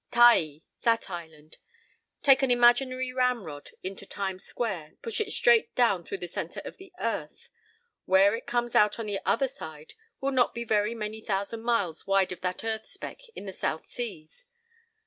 Taai. That island. Take an imaginary ramrod into Times Square, push it straight down through the center of the earth; where it comes out on the other side will not be very many thousand miles wide of that earth speck in the South Seas.